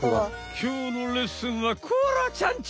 きょうのレッスンはコアラちゃんち！